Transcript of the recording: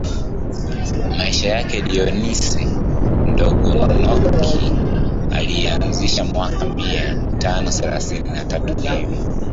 Maisha yake Dionisi Mdogo mmonaki aliyeanzisha mwaka mia tano thelathini na tatu hivi